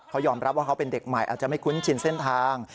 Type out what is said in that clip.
เขายอมรับว่าเขาเป็นเด็กใหม่อาจจะไม่คุ้นชินเส้นทาง